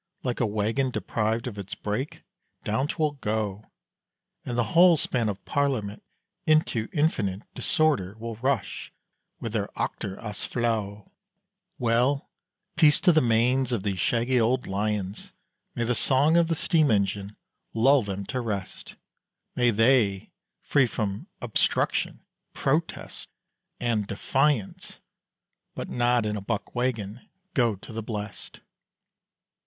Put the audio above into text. Like a waggon deprived of its break, down 'twill go, And the whole span of Parliament into infinite Disorder will rush, with their Achter os flauw. Well, peace to the manes of these shaggy old lions! May the song of the steam engine lull them to rest; May they, free from "obstruction," "protest," and "defiance" (But not in a buck waggon) go to the blest.